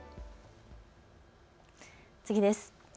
次です。